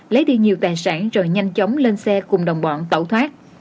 lấy đi nhiều tài sản rồi nhanh chóng lên xe cùng đồng bọn tẩu thoát